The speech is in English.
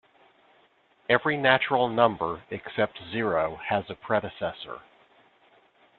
Every natural number except zero has a predecessor.